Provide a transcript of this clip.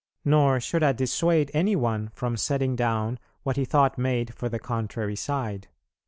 Nor should I dissuade any one from setting down what he thought made for the contrary side.